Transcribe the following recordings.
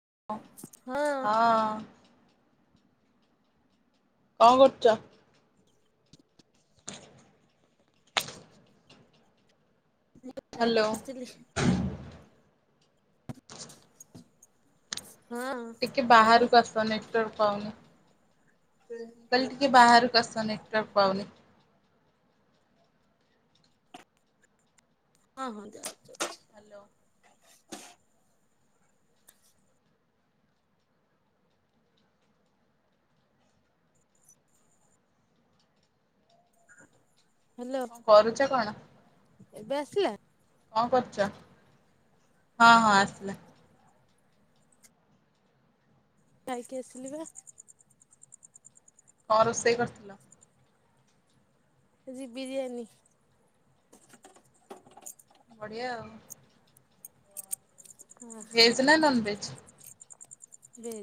ହଁ। କଣ କରୁଚ? ହ୍ୟାଲୋ ଖାଇକି ଆସିଲି [inaudible] ଟିକେ ହ୍ୟାଲୋ ବାହାରକୁ ଆସ ନେଟୱାର୍କ ପାଉନି। ମୁ କଲି ଟିକେ ବାହାରୁକୁ ଆସ ନେ ର ପାଉନି। ହଁ ହଁ ଯାଉଚି ଯାଉଚି। ହାଲୋ ହ୍ୟାଲୋ କଣ କରୁଛ କଣ? ଏବେ ଆସିଲା। କଣ କରୁଚ ହଁ ହଁ ଆସିଲା। ଖାଇକି ଆସିଲି ବା। କଣ ରୋଷେଇ କରିଥିଲ? ଆଜି ବିରିୟାନି। ବଢିଆ ଆଉ। [inaudible] ଭେଜ ନା ନନ ଭେଜ? ଭେଜ।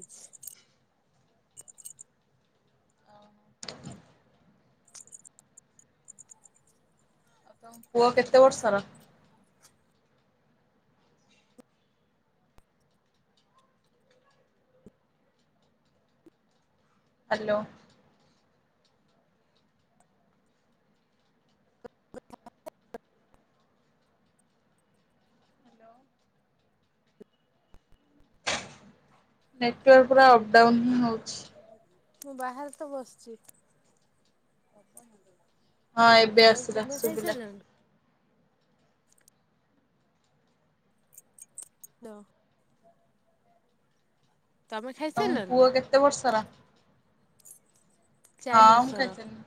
[inaudible] ତମ ପୁଅ କେତେ ଆଉ ବର୍ଷର? ହ୍ୟାଲୋ ନେଟୱାର୍କ ପୁରା ଅପ ଡାଉନ ହିଁ ହଉଛି। ମୁଁ ବାହାରେ ତ ବସିଚି। ହଁ ଏବେ ଆସିଲା ଶୁବିଲା। ଲୋ ତମେ ତମ ଖାଇସାରିଲଣି ନା ପୁଅ କେତେ ବର୍ଷର? ହଁ ଚାରି ମୁଁ ମାସର ଖାଇ ସାଇଲିଣି।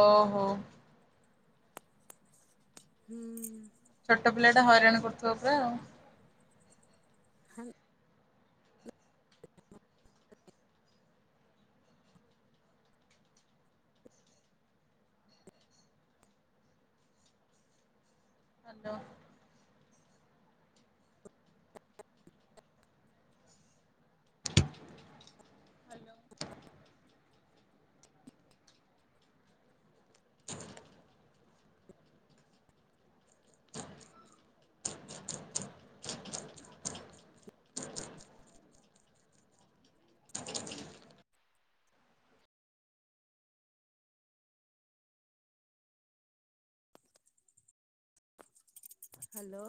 ଓହୋ। ହୁଁ। ଛୋଟ ପିଲା ଟା ହଇରାଣ କରୁଥିବା ପୁରା ଆଉ ହ୍ୟାଲୋ। [unintelligible] ହାଲୋ। [inaudible] ହ୍ୟାଲୋ